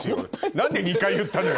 何で２回言ったのよ